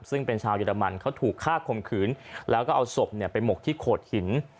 ซึ่งเป็นชาวเยอรมันเขาถูกฆ่าข่มขืนแล้วก็เอาศพไปหมกที่โขดหิน